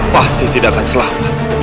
pasti tidak akan selamat